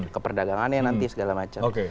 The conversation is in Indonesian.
keperdagangannya nanti segala macam